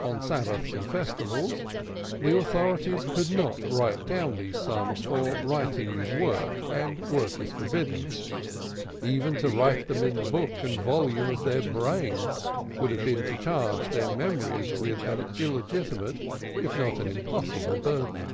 On Sabbaths and festivals the authorities could not write down these sums, for writing is work and work is forbidden; even to write them in the book and volume of their brain would have been to charge their memories with an illegitimate if not an impossible burden.